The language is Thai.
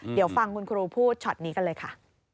เดี๋ยวฟังคุณครูพูดช็อตนี้กันเลยค่ะ